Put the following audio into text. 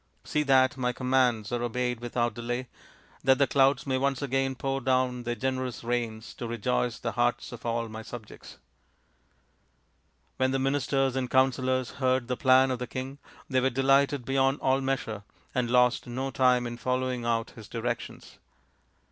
See that my commands are obeyed without delay, that the clouds may once again pour down their generous rains to rejoice the hearts of all my subjects." When the ministers and counsellors heard the plan of the king they were delighted beyond all measure, and lost no time in following out his directions.